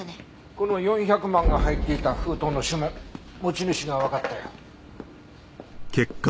この４００万が入っていた封筒の指紋持ち主がわかったよ。